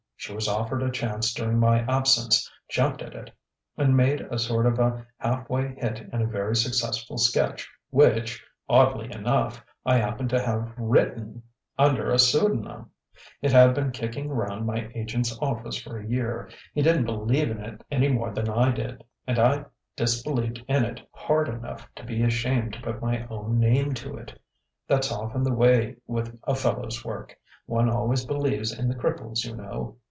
She was offered a chance during my absence, jumped at it, and made a sort of a half way hit in a very successful sketch which, oddly enough, I happened to have written under a pseudonym. It had been kicking round my agent's office for a year; he didn't believe in it any more than I did; and I disbelieved in it hard enough to be ashamed to put my own name to it. That's often the way with a fellow's work; one always believes in the cripples, you know....